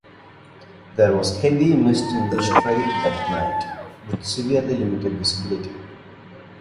There was heavy mist in the strait that night, which severely limited visibility.